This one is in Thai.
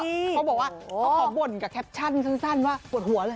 เขาบอกว่าเขาขอบ่นกับแคปชั่นสั้นว่าปวดหัวเลย